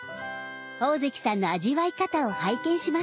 大関さんの味わい方を拝見します。